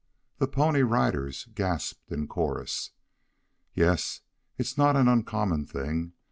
the Pony Riders gasped in chorus. "Yes. It is not an uncommon thing.